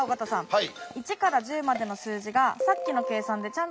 はい。